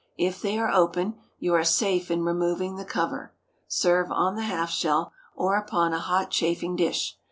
If they are open, you are safe in removing the cover. Serve on the half shell, or upon a hot chafing dish.